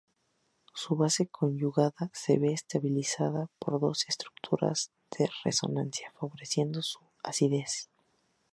Su base conjugada se ve estabilizada por dos estructuras de resonancia, favoreciendo su acidez.